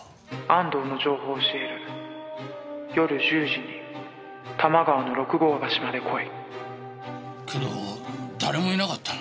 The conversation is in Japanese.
「安藤の情報を教える」「夜１０時に多摩川の六郷橋まで来い」けど誰もいなかった。